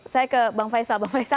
saya ke bang faisal